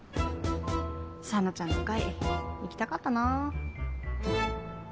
紗菜ちゃんの会行きたかったな。